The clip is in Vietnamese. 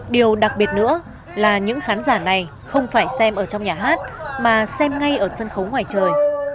điều đặc biệt nữa là những khán giả này không phải xem ở trong nhà hát mà xem ngay ở sân khấu ngoài trời